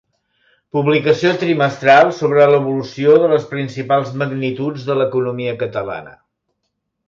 Publicació trimestral sobre l'evolució de les principals magnituds de l'economia catalana.